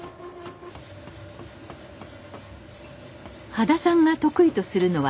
羽田さんが得意とするのは錨。